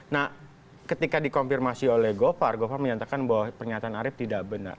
nah ketika dikonfirmasi oleh govar govar menyatakan bahwa pernyataan arief tidak benar